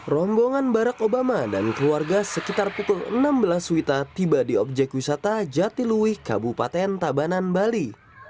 rombongan barack obama dan keluarga sekitar pukul enam belas wita tiba di objek wisata jatiluwi kabupaten tabanan bali